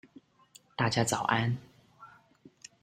大家早安